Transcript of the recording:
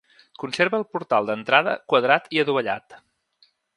Conserva el portal d'entrada quadrat i adovellat.